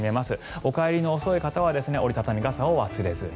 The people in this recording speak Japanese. お帰りの遅い方は折り畳み傘を忘れずに。